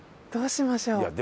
どうしましょう？